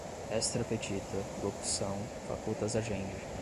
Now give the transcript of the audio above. extra petita, locução, facultas agendi